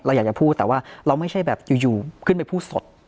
อยากจะพูดแต่ว่าเราไม่ใช่แบบอยู่ขึ้นไปพูดสด